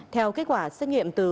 theo kết quả xét nghiệm từ